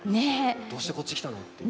どうしてこっち来たのって。